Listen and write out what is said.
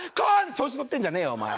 調子乗ってんじゃねえよお前。